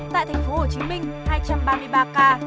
tại tp hcm hai trăm ba mươi ba ca